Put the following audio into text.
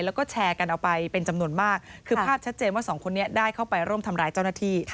แล้วก็แชร์กันเอาไปเป็นจำนวนมากคือภาพชัดเจนว่าสองคนนี้ได้เข้าไปร่วมทำร้ายเจ้าหน้าที่